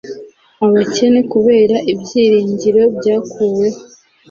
Abakene kubera ibyiringiro byakuweho